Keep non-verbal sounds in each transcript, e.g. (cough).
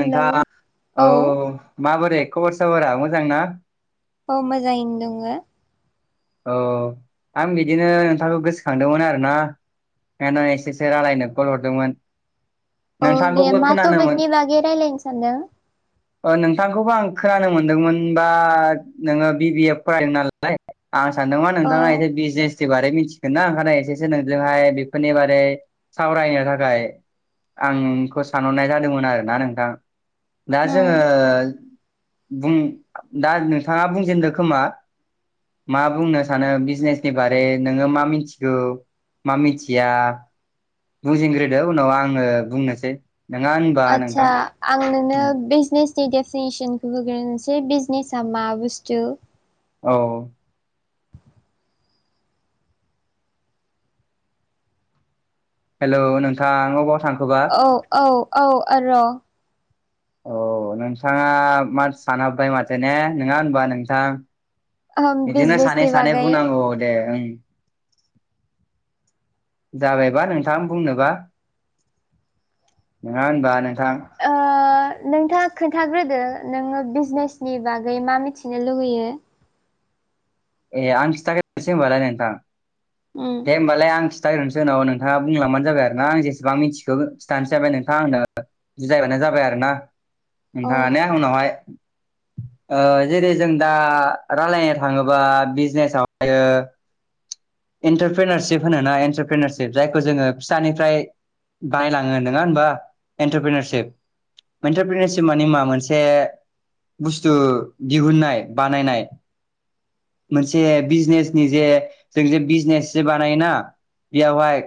Hello नोंथां औ माबोरै खबर सबरा मोजां ना? औ मोजाङैनो दोंङो। ओ आं बिदिनो नोंथांखौ गोसोखांदोंमोन आरोना। एखानो एसेसो रालायनो कल हरदोंमोन। औ दे नोंथांखौबो मा खोनानोमोन टपिकनि बागै रायलायनो सानदों? ओ नोंथांखौबो आं खोनानो मोनदोंमोन बा नोङो बि बि ए फरायो नालाय। आं सानदोंमोन औ नोंथाङा एसे बिजनेस नि बारै मिथिगोन ना ओंखायनो एसेसो नोंजोंहाय बेफोरनि बारै सावरायनो थाखाय आंखौ सानहरनाय जादोंमोन आरोना नोंथां। दा उम जोङो बुं दा नोंथाङा बुंजेनदो खोमा? मा बुंनो सानो बिजनेसनि बारै नोङो मा मिथिगौ। मा मिथिया बुंजेनग्रोदो उनाव आङो बुंनोसै। नङा होनबा नोंथां आदसा आं नोंनो बिजनेस थि डेटिनेसनखौ होग्रोसै बिजनेसा मा बुस्थु? औ औ हेलौ नोंथां अबाव थां औ औ औ ओ र' औ नोंथाङा मा सानहाबबाय माथो ने नङा होनबा नोंथां। ओम बिदिनो सानै बिजनेसनि सानै बागै बुंनांगौ दे ओं। जाबायबा नोंथां बुंनोबा नङा होनबा नों थां। ओ नोंथाङा खोन्थाग्रोदो नोङो बिजनेसनि बागै मा मिथिनो लुुगैयो? ए आं खिथाग्रोनोसै होमबालाय नोंथां। उम दे होमबालाय आं खिथाग्रोनोसै उनाव नोंथाङा बुंलांबानो जाबाय आरो ना आं जेबां मिथिखौ खिथानोसै ओमफ्राय नोंथाङा आंनो बुजायबानो जाबाय आरो ना। औ नोंथाङा नो उनावहाय। ओ जेरै जों दा रालायनो थाङो बा बिजनेसाव आरो एन्टारप्रनारशिप होनोना एन्टारप्रनारशिप जायखौ जोङो फिसानिफ्राय गाहाय लाङो नङा होनबा एन्टरप्रिनरशिप इन्टारपेनिशिप माने मा मोनसे बुस्थु दिहुननाय बानायनाय मोनसे बिजनेसनि जे जों जे बिजनेस जे बानायोना‌। बेयावहाय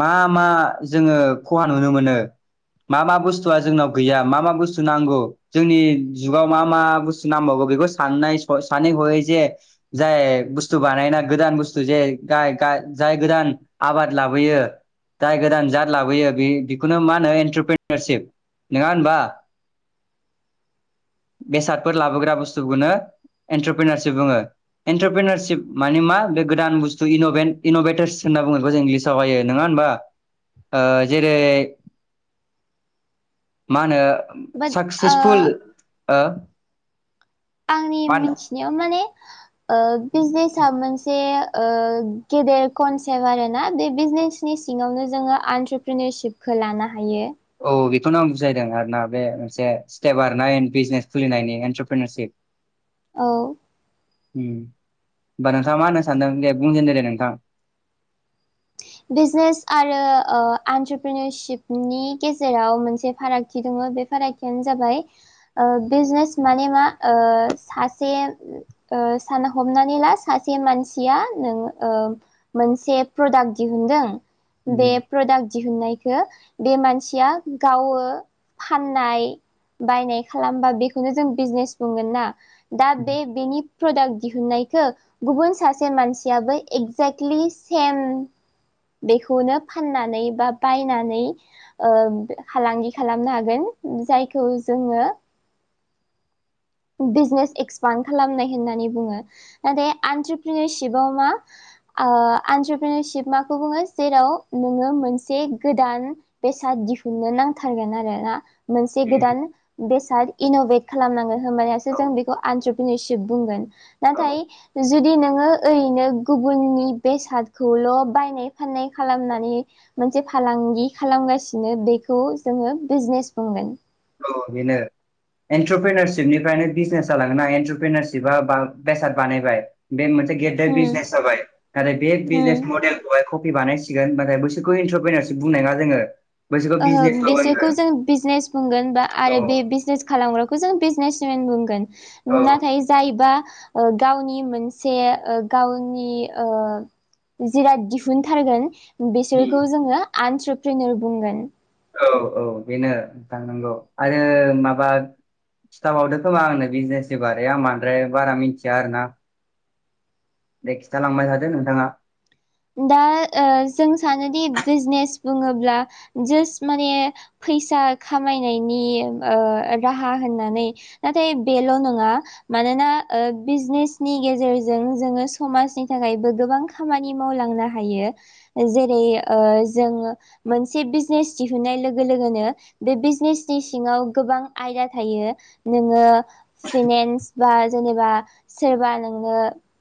मा मा जोङो खहा नुनो मोनो? मा मा बुस्थुआ जोंनाव गैया मा मा बुस्थु नांगौ जोंनि जुगाव मा मा बुस्थु नांबावगौ। बेखौ साननाय स-सानै हयै जे जाय बुस्थु बानायना गोदान बुस थु जे गाय गा जाय गोदान आबाद लाबोयो। जाय गोदान जाद लाबोयो। बे बेखौनो मा होनो एन्टरप्रिनिरशिप नङा होनबा? बेसादफोर लाबोग्रा बुस्थुखौनो एन्टारप्रिनारशिप बुङो। एन्टारप्रिनारशिप माने मा? बे गोदान बुस्थु इन'भेन इन'भेटारस होनना बुङो बेखौ जों इंलिसावहायो नङा होनबा? ओ जेरै मा होनो बाट ओ साक्सेसफुल ओ आंनि मा होनो मिथिनायाव माने ओ बिजनेसा मोनसे ओ गेदेर कनसेप्ट आरोना बे बिजनेसनि सिङावनो जोङो आन्टारप्रिनिरशिपखौ लानो हायो। औ बेखौनो आं बुजायदों आरोना। बे मोनसे स्टेप आरोना बिजनेस खुलिनायनि एन्टारपेनरशिप (inaudible) औ उम होमबा नोंथाङा मा होनो सानदों दे बुंजेनदो दे नोंथां। बिजनेस आरो ओ एन्टारप्रिनिरशपनि गेजेराव मोनसे फारागथि दं। ओ बे फारागथियानो जाबाय। ओ बिजनेस माने मा? ओ सासे ओ सान हमनानै ला सासे मानसिया नों ओ मोनसे प्रडाक्ट दिहुनदों, बे उम प्रडाक्ट दिहुननाय खौ बे मानसिया गावो फाननाय बायनाय खालामबा बेखौनो जों बिजनेस बुंगोन ना। दा उम बे बेनि प्रडाक्ट दिहुननायखो गुबुन सासे मानसियाबो एक्जेक्टलि सेम (inaudible) बेखौनो फाननानै बा बायनानै ओ फालांगि खालामनो हागोन। जायखौ जोङो। बिजनेस एक्सपान्ड खालामनाय होननानै बुङो। नाथाय एन्ट्रप्रिनिरसिप'आ मा आन्टारप्रनरसिप माखौ बुङो? जेराव नोङो मोनसे गोदान बेसाद दिहुननो नांथारगोन आरोना। मोनसे उम गोदान बेसाद इन'भेट खालामनांगोन, होनबानासो औ जों बेखौ आनट्र बुंगोन औ नाथाय जुदि नोङो ओरैनो गुबुननि बेसादखौल' बायनाय फाननाय खालामनानै मोनसे फालांगि खालामगासिनो, बेखौ जोङो बिजनेस बुंगोन। बिनो। एन्टारप्रिनारसिपनिफ्रायनो बिजनेस जालाङोना एन्टारप्रिनारसिपआ बेसाद बानायबाय, बे मोन उम बिजनेस जाबाय, आरो बे बिजनेस उम मदेलखौहाय कफि बानायसिगोन ओमफ्राय बैसोरखौ इन्टारप्रेनरसिप बुंनाय ना जोङो। बैसोरखौ ओहो बिजनेसल' बिसोरखौ होनगोन जों बिजनेस बुंगोन बा औ आरो बे बिजनेस खालामग्राखौ जों बिजनेसमेन बुंगोन। औ नाथाय जायबा गावनि मोनसे गावनि ओ जिराद दिहुनथारगोन, उम बिसोरखौ जोङो आनतरपेनेर बुंगोन। औ औ बेनो थांनांगौ। आरो माबा खिथाबावदो खोमा आंनो बिजनेसनि बारै आं बांद्राय बारा मिथिया आरोना। दे खिथालांबाय थादो नोंथाङा। दा जों सानोदि बिजनेस बुङोब्ला जास्ट माने फैसा खामायनायनि ओ राहा होननानै, नाथाय बेल' नङा मानोना बिजनेसनि गेजेरजों जोङो समाजनि थाखायबो गोबां खामानि मावलांनो हायो, जेरै ओ जों मोनसे बिजनेस दिहुननाय लोगो लोगो दोङोनो, बे बिजनेसनि सिङाव गोबां आयदा थायो, नोङो (unintelligible) (unintelligible) बा जेनेबा सोरबा नोंनो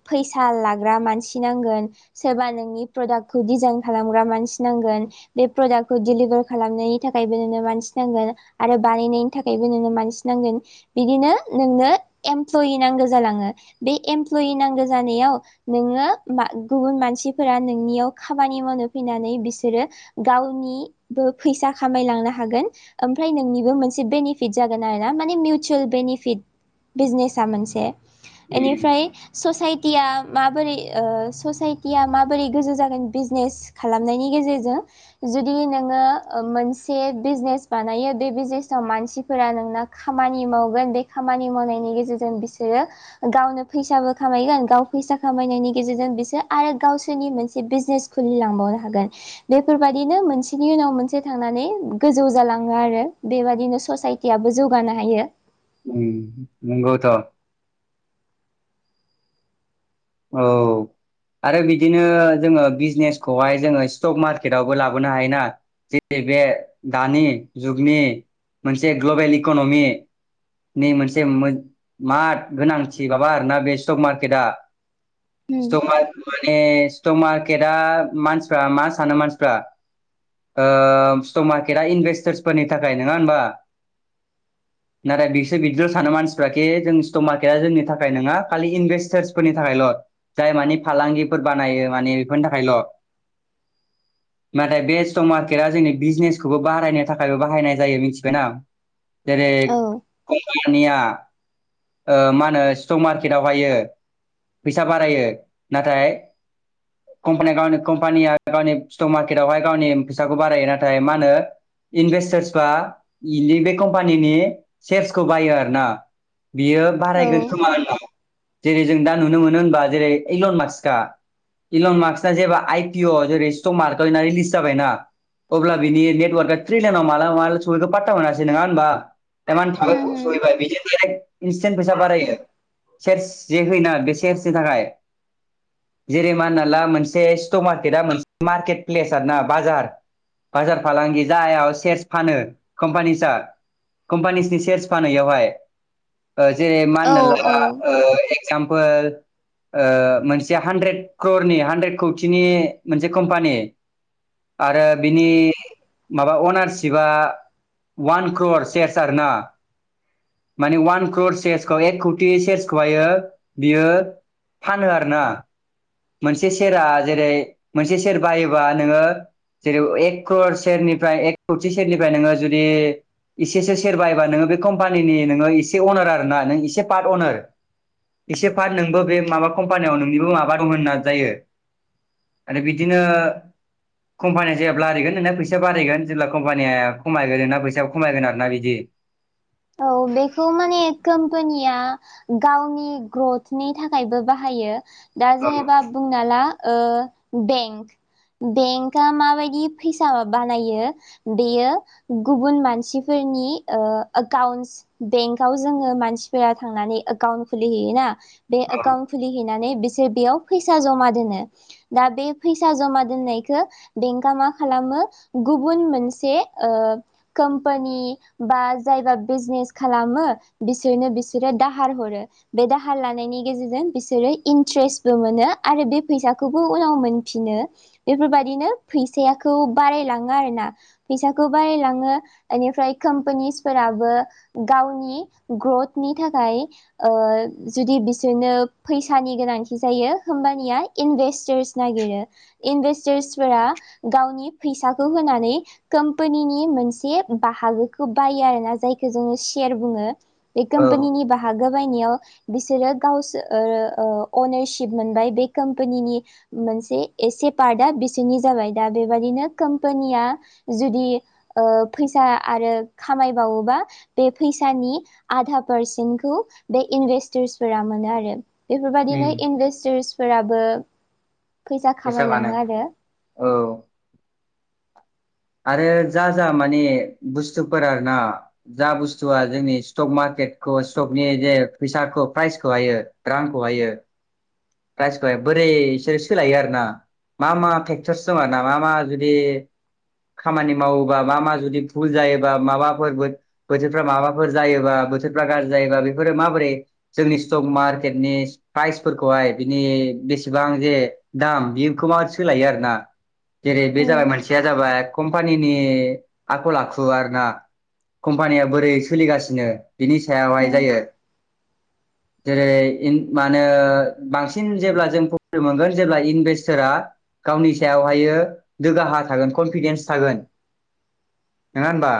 फैसा लाग्रा मानसि नांगोन सोरबा नोंनि प्रडाक्टखौ डिजाइन खालामग्रा मानसि नांगोन, बे प्रडाक्टखौ डिलिभार खालामनायनि थाखाय थाखायबो नोंनो मानसि नांगोन आरो बानायनायनि थाखायबो नोंङो मानसिनांगोन बिदिनो नोंनो एमप्लयि नांगौ जालाङो बे एमप्लयि नांगौ जानायाव, नोङो मा गुबुन मानसिफोरा नोंनियाव खामानि मावनो फैनानै बिसोरो गावनिबो फैसा खामायलांनो हागोन। ओमफ्राय नोंनिबो मोनसे बेनिफिट जागोन आरोना माने मिउचुेल बेनिफिट बिजनेसा मोनसे एनिफ्राय ससाइटिया माबोरै ओ ससाइटिया माबोरै गोजौ जागोन बिजनेस खालामनायनि गेजेरजों जुदि नोङो मोनसे बिजनेस बानायो बे बिजनेसाव मानसिफोरा नोंना खामानि मावगोन बे खामानि माव नायनायनि गेजेरजों बिसोरो गावनो फैसाबो खामायगोन गाव फैसा खामायनायनि गेजेरजों बिसोर आरो गावसोरनि मोनसे बिजनेस खुलिलांबावनो हागोन। बेफोरबायदिनो मोनसेनि उनाव मोनसे थांनानै माने गोजौ जालाङो आरो बेबादिनो ससाइटियाबो जौगानो हायो। उम नंगौथ'। औ। आरो बिदिनो जोङो बिजनेसखौहाय जोङो स्टक मार्केटआवबो लाबोनो हायोना, जेरै (unintelligible) दानि जुगनि मोनसे ग्लबेल इकनमि नि मोनसे मा गोनांथि माबा आरोना बे स्टक मार्केटआ होम स्तक मार माने स्टक मार्केटआ मानसिफ्रा मा सानो मानसिफ्रा ओ स्टक मार्केटआ इनभेस्टार्सफोरनि थाखाय नङा होम्बा। नाथाय बिसोर बिदिल' सानो मानसिफ्राखि जोंनि स्टक मार्केटआ जोंनि थाखाय नङा खालि इनभेस्टार्स फोरनि थाखायल' जाय माने फालांगिफोर बानायो माने बेफोरनि थाखायल'। (inaudible) नाथाय बे स्टक मार्केटआ जोंनि बिजनेसखौबो बारायनो थाखायबो बाहायनाय जायो मिथिबायना। जेरै औ कमपानिया मा होनो स्टक मार्केटावहायो। फैसा बारायो नाथाय। कम्पानि गावनि कम्पानिया गावनि स्टक मार्केटवहाय गावनि फैसाखौ बारायो नाथाय मा होनो। इनभेस्टार्स बा बे कम्पानिनि सेयार्सखौ बायो आरोना। बियो औ बारायगोन खोमा जेरै जों दा नुनो मोनो होनबा जेरै एलन माससिखा इलन मार्कसा जेब्ला आइ पि अ जेरै सित' मार्कआ इना रिलिस जाबायना अब्ला बिनि नेवर्कआ थ्रि लानाव माला माला सहैखो पा ता मोनासै नोङा होमबा होम होम (unintelligible) इन्सटेन्ट फैसा बारायो सेयार्स जे होयोना बे सेयार्सनि थाखाय जेरै माना ला मोनसे स्टक मार्केटआ मोनसे मार्केट प्लेस आरोना बाजार बाजार फालांगि जायाव सेयार्स फानो कम्पानिसा कम्पानिसनि सेयार्स फानो इवहाय जेरै मा औ होनना ला (unintelligible) एकजामफोल। ओ मोनसे हानद्रेद क्रनि हानद्रेद कौथिनि मोनसे कम्पानि आरो बिनि माबा अनारशिपआ वान क्रर सेयारस आरोना। माने वान क्र सेेयासखौ एक कौटि सेसखौहायो। बियो फानो आरोना। मोनसे सेरा जेरै मोनसे सेर बायोबा नोङो। जेरै एक क्र सेरनिफ्राय एक कौथि सेरनिफ्राय नोङो जुदि एसेसो सेर बायोबा नोङो बे कम्पानिनि नोङो एसे अनार आरोना नों एसे पाट अनार। एसे फाट नोंबो बे माबा कम्पानियाव नोंनिबो माबा दं होनना जायो। आरो बिदिनो। कम्पानिया जेब्ला बारायगोन नोंना फैसाया बारायगोन जेब्ला कम्पानिया खमायगोन नोंना फैसाया खमायगोन आरोना बिदि। (inaudible) औ बेखौ माने कम्पानिया गावनि ग्रथनि थाखायबो बाहा यो दा औ जेनेबा बुंना ला ओ बेंक। बेंकआ माबायदि फैसा बानायो बेयो गुबुन मानसिफोर नि ओ। एकाउन्टस बेंकाव जोङो मानसिफोरा थांनानै एकाउन्ट खुलिहैयोना बे एकाउन्ट खुलि हैैनानै बि बेयाव फैसा जमा दोनो दा बे फैसा जमा दोनायखौ बेंक मा खालामो। गुबुन मोनसे ओ कमपानि बा जायबा बिजनेस खालामो बिसोरनो बिसोरो दाहार हरो बे दाहार लानायनि गेजेरजों बिसोरो इन्ट्रेस्टबो मोनो आरो बे फैसाखौबो उनाव मोनफिनो बेफोर बायदिनो। फैसायाखौ बारायलाङो आरोना फैसाखौ बारायलाङो बेनिफ्राय कम्पानिस फोराबो गावनि ग्रथनि थाखाय ओ जुदि बिसोरनो फैसानि गोनांथि जायो होनबानिया इनभेस्टार्स नागिरो इनभेस्टार्सफोरा गावनि फैसाखौ होनानै कम्पानिनि मोनसे बाहागोखौ बायो आरो जायखौ जोङो सेयार बुङो बे औ कम्पानिनि बाहा बायनायाव बिसोरो गावसोर ओ अ अनारशिप मोनबाय बे कम्पानिनि मोनसे एसे पार्टआ बिसोरनि जाबाय दा बेबादिनो कम्पानिया जुदि ओ फैसा आरो खामाय बावोबा बे फैसानि आधा पारसेन्टखौ बे इनभेस्टार्सफोरा मोनो आरो। बेफोर उम बायदिनो इनभेस्टार्सफोराबो फैसा खामायलाङो आरो औ आरो जा जा माने बुस्थुफोर आरोना जा बुस्थुआ जोंनि स्टक मार्क केतखौ स्टकनि जे फैसाखौ प्राइसखौ हायो रांखौ हायो प्रायसखोहाय बोरै बिसोरो सोलायो आरो ना मा मा फेक्टरस दं आरो ना मा मा जुदि खामानि मावोबा मा मा जुदि भुल जायोबा माबाफोर बोथ-बोथोरफ्रा माबाफोर जायोबा बोथोरफ्रा गाज्रि जायोबा बेफोरो माबोरै जोंनि स्टक मार्केटनि प्राइसफोरखौहाय बिनि बेसेबां जे दाम बेखौ मा सोलायो आरो ना जेरै बे जाबाय उम मोनसेया जाबाय कम्पानिनि आखल आखु आरो ना कम्पानिया बोरै सोलिगासिनो बिनि सायावहाय उम जायो जेरै इन मा होनो बांसिन जेब्ला जों प्रफित मोनगोन जेब्ला इनभेस्टारा गावनि सायावहायो दुगाहा थागोन कनफिदेन्स थागोन नोङा होनबा?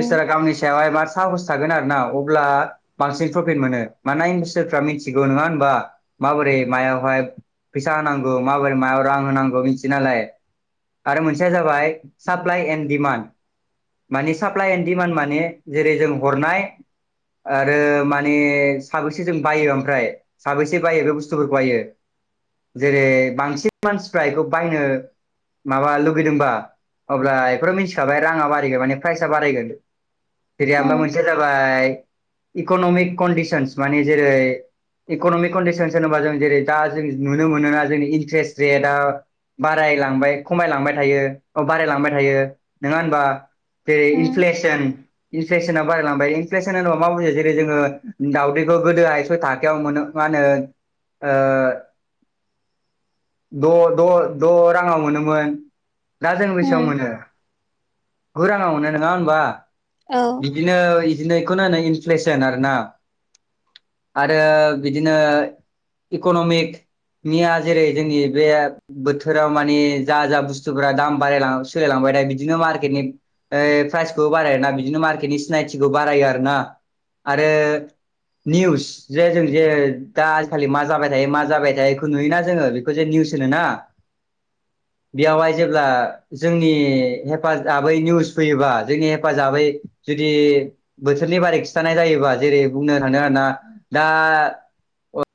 उम गावनि सायावहाय मा साहस थागोन आरोना। अब्ला बांसिन प्रफिट मोनो मानोना (unintelligible) सोरफ्रा मिथिगौ नोङा होनबा? माबोरै मायावहाय फैसा होनांगौ माबोरै मायाव रां होनांगौ मिथियो नालाय आरो मोनसेया जाबाय साप्लाइ एन्ड डिमान्ड माने साप्लाइ एन्ड डिमान्ड माने जेरै जों हरनाय आरो माने साबेसे जों बायो ओमफ्राय साबेस से बायो बे बुस्थुफोरखौ बायो जेरै बांसिन मानसिफ्रा बेखौ बायनो माबा लुगैदोंबा अब्ला बेफोर मिथिखाबाय राङा बारायगोन माने प्राइसा बारायगोन। बिदि ओमफाय उम मोनसे जाबाय इकनमिक कन्डिसनस माने जेरै इकनमिक कन्दिसनस होनोबा जों जेरै दा जों नुनो मोनोना जोंनि इन्ट्रेस्ट रेटआ बारायलांबाय खमायलांबाय थायो अ बारायलांबाय थायो नङा होनबा? जेरै उम इनफ्लेसन इनफ्लेसना बारायलांबाय इनफ्लेसन होनोबा मा बुजो जेरै जोङो दावउदखौ गोदो सय थाखायाव मोनो मा होनो ओ द द द राङाव मोनोमोन। दा जों बेसेबां उम मोनो? गु राङाव मोननो नङा होनबा? औ बिदिनो दिनैखौ नायनानै इनफ्लेसन आरो ना आरो बिदिनो इकनमिक निया जेरै जोंनि बे बोथोराव मानि जा जा बुस्थुफोरा दाम बाराय ला सोलायलांबाय दा बिदिनो मार्केटनि यै प्राइसखौबो बारायोना बिदिनो मार्केटनि सिनायथिखौ बारायो आरोना आरो निउस जे जों जे दा आजिखालि मा जाबाय थायो मा जाबाय थायो बेखौ नुयोना जोङो बे खो जे निउस होनोना? बेयावहाय जेब्ला जोंनि हेफाजाबै निउस फैयोबा जोंनि हेफाजाबै जुदि बोथोरनि बारै खिथानाय जायोबा जेरै बुंनो थानो आरोना दा